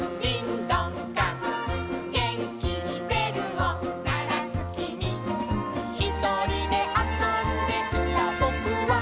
「げんきにべるをならすきみ」「ひとりであそんでいたぼくは」